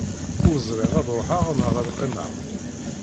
Ur ẓriɣ ad ruḥeɣ neɣ ad qqimeɣ.